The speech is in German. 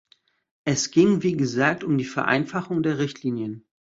Es ging wie gesagt um die Vereinfachung der Richtlinien.